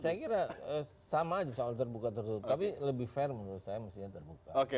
saya kira sama aja soal terbuka tertutup tapi lebih fair menurut saya mestinya terbuka